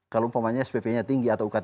kalau umpamanya spp nya tinggi atau ukat